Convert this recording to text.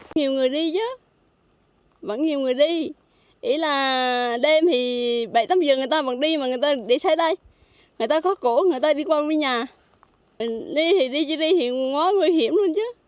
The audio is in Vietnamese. nhiều người đi chứ vẫn nhiều người đi nghĩ là đêm thì bảy tám giờ người ta vẫn đi mà người ta đi xây đây người ta có cổ người ta đi qua với nhà mình đi thì đi chứ đi thì ngó nguy hiểm luôn chứ